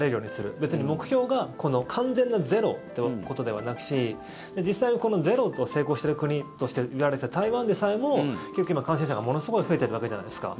別に、目標が完全なゼロということではないし実際、このゼロに成功している国としていわれていた台湾でさえも結局、今、感染者がものすごく増えているわけじゃないですか。